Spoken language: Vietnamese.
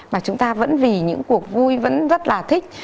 mà chúng ta vẫn vì những cuộc vui vẫn rất là thích